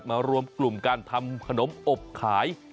รวมกลุ่มการทำขนมอบขาย